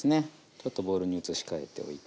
ちょっとボウルに移し替えておいて。